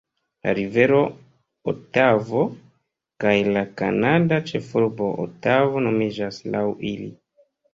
La Rivero Otavo kaj la kanada ĉefurbo Otavo nomiĝas laŭ ili.